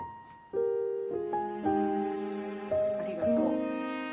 ありがとう。